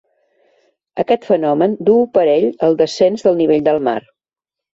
Aquest fenomen duu parell el descens del nivell del mar.